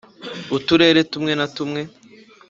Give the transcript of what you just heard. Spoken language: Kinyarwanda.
uturere tumwe na tumwe